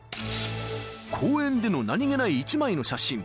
［公園での何げない１枚の写真］